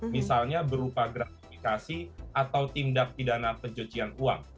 misalnya berupa gratifikasi atau tindak pidana pencucian uang